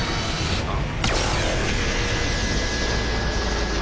あっ。